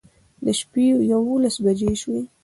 د شپې يوولس بجې شوې